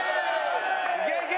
いけいけ！